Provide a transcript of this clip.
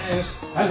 はい。